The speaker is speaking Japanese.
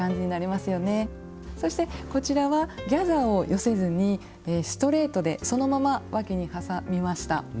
そしてこちらはギャザーを寄せずにストレートでそのままわきにはさみました。